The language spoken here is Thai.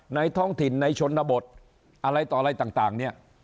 ท้องถิ่นในชนบทอะไรต่ออะไรต่างเนี่ย